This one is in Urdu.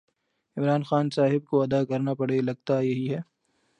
عمران خان صاحب کو ادا کرنا پڑے لگتا یہی ہے